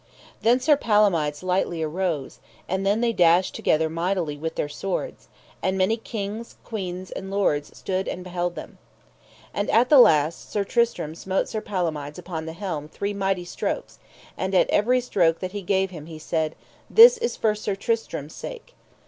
Then Sir Palomides lightly arose, and then they dashed together mightily with their swords; and many kings, queens, and lords, stood and beheld them. And at the last Sir Tristram smote Sir Palomides upon the helm three mighty strokes, and at every stroke that he gave him he said: This for Sir Tristram's sake.